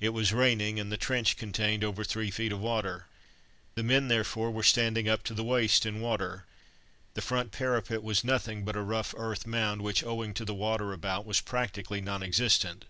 It was raining, and the trench contained over three feet of water. The men, therefore, were standing up to the waist in water. The front parapet was nothing but a rough earth mound which, owing to the water about, was practically non existent.